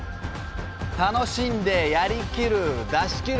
楽しんでやりきる出し切る。